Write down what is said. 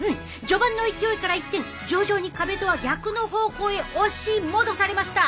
序盤の勢いから一転徐々に壁とは逆の方向へ押し戻されました。